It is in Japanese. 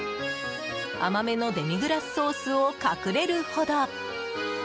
甘めのデミグラスソースを隠れるほど！